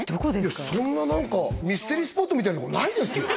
いやそんななんかミステリースポットみたいなとこないですよ